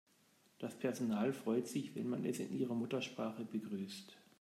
Das Personal freut sich, wenn man es in ihrer Muttersprache begrüßt.